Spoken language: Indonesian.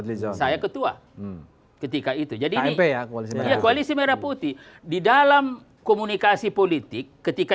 saya ketua ketika itu jadi ini ya koalisi merah putih di dalam komunikasi politik ketika